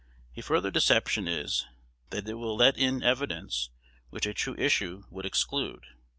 A further deception is, that it will let in evidence which a true issue would exclude.